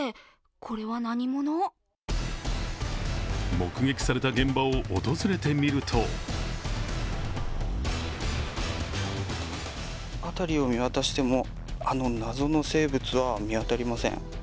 目撃された現場を訪れてみると辺りを見渡してもあの謎の生物は見当たりません。